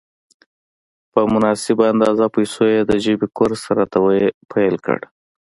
په مناسبه اندازه پیسو یې د ژبې کورس راته پېل کړ.